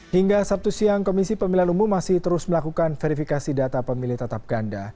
hingga sabtu siang komisi pemilihan umum masih terus melakukan verifikasi data pemilih tetap ganda